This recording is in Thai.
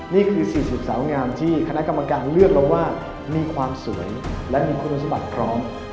นี่คือ๔๐สาวงามที่คณะกรรมการเลือกแล้วว่ามีความสวยและมีคุณสมบัติพร้อม